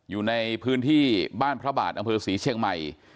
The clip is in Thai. อยู่ในพื้นที่บ้านพระบาทอำเภอศรีเชียงใหม่